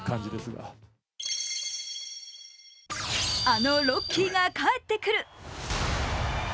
あのロッキーが帰ってくる。